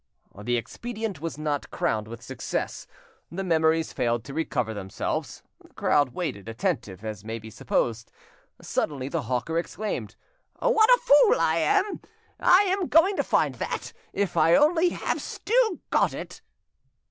The expedient was not crowned with success, the memories failed to recover themselves. The crowd waited, attentive, as may be supposed. Suddenly the hawker exclaimed: "What a fool I am! I am going to find that, if only I have still got it."